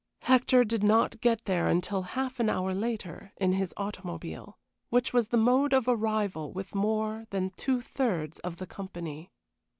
Hector did not get there until half an hour later, in his automobile, which was the mode of arrival with more than two thirds of the company.